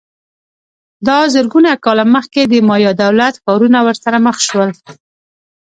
دا زرګونه کاله مخکې د مایا دولت ښارونه ورسره مخ شول